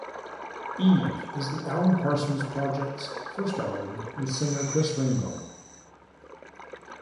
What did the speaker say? "Eve" is The Alan Parsons Project's first album with singer Chris Rainbow.